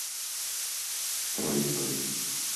πρωί-πρωί